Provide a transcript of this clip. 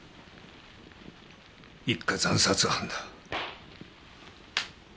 一家惨殺犯だ。